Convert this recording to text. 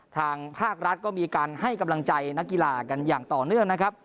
ทางภาครัฐก็มีการให้กำลังใจนักกีฬากันอย่างต่อเนื่องนะครับ